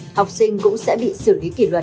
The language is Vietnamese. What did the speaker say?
học sinh cũng sẽ bị xử lý kỷ luật